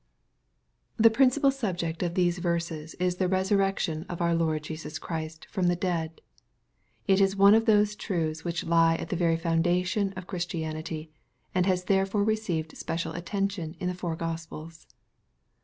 The principal subject of these verses is the rosarrectioa of our Lord Jesus Christ from the dead. It is one of those truths which lie at the very foundation of Christi anity^ and has therefore received special attention in the four Gospels.